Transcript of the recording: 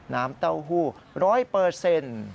น้ำเต้าหู้ร้อยเปอร์เซ็นต์